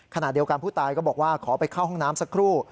ขณะเดียวกันผู้ตายก็บอกว่าขอไปเข้าห้องน้ำสักครู่